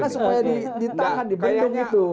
karena supaya ditahan dibentuk gitu